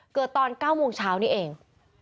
เกิดตอน๙โมงเช้านี้เอง